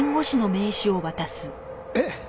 えっ！